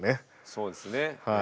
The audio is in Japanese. そうですね。